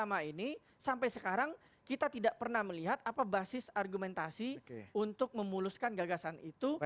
selama ini sampai sekarang kita tidak pernah melihat apa basis argumentasi untuk memuluskan gagasan itu